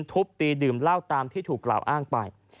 ทุบตีดื่มเหล้าตามที่ถูกกล่าวอ้างไป